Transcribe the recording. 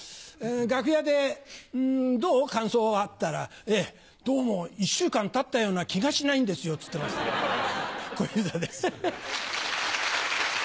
楽屋で「どう？感想は？」って言ったら「どうも１週間たったような気がしないんですよ」っつってました小遊三です。